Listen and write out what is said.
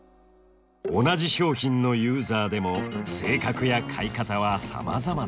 同じ商品のユーザーでも性格や買い方はさまざまですよね。